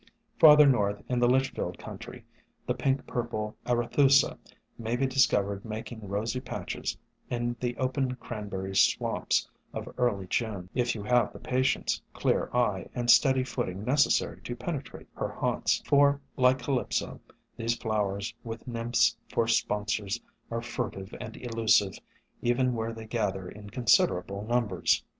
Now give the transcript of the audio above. Farther north in the Litchfield country, the pink purple Arethusa may be discovered making rosy patches in the open Cranberry swamps of early June, if you have the patience, clear eye and steady footing necessary to penetrate her haunts; for, like Calypso, these flowers, with nymphs for sponsors, are furtive and elusive, even where they gather in considerable numbers.